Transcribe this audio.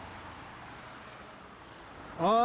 ああ！